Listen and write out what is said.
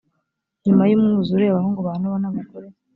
nyuma y umwuzure abahungu ba nowa n abagore